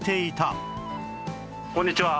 こんにちは。